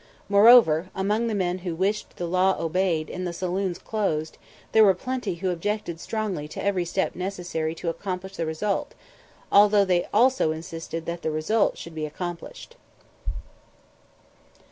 Moreover, among the people who wished the law obeyed and the saloons closed there were plenty who objected strongly to every step necessary to accomplish the result, although they also insisted that the result should be accomplished.